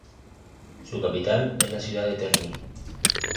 Su capital es la ciudad de Terni.